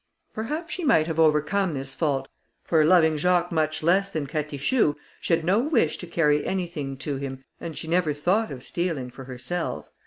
Perhaps she might have overcome this fault, for loving Jacques much less than Catichou, she had no wish to carry anything to him, and she never thought of stealing for herself.